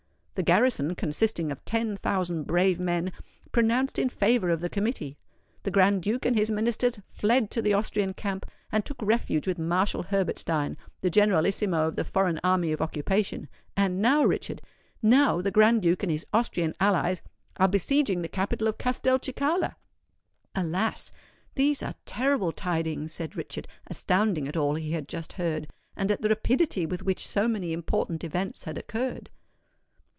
The garrison, consisting of ten thousand brave men, pronounced in favour of the Committee. The Grand Duke and his Ministers fled to the Austrian camp, and took refuge with Marshal Herbertstein, the generalissimo of the foreign army of occupation. And now, Richard—now the Grand Duke and his Austrian allies are besieging the capital of Castelcicala!" "Alas! these are terrible tidings," said Richard, astounded at all he had just heard, and at the rapidity with which so many important events had occurred.